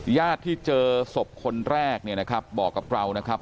ญาติที่เจอศพคนแรกเนี่ยนะครับบอกกับเรานะครับ